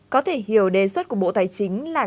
có thể hiểu đề xuất của bộ tài chính là